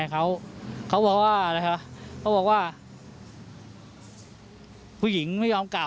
แล้ววันที่๕ลูกมาบอกว่ายังไงพี่